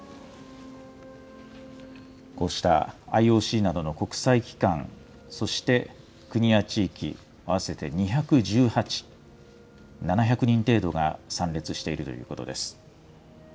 こうしたＩＯＣなどの国際機関、そして国や地域合わせて２１８、７００人程度が参列しているということです。